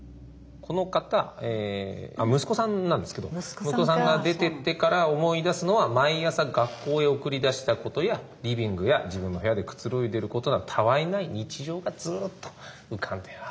この方息子さんなんですけど息子さんが出てってから思い出すのは毎朝学校へ送り出したことやリビングや自分の部屋でくつろいでることなどたわいない日常がずっと浮かんでる。